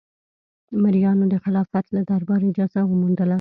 مریانو د خلافت له دربار اجازه وموندله.